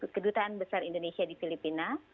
kedutaan besar indonesia di filipina